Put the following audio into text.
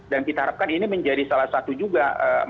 dan kita harapkan ini menjadi salah satu juga momentum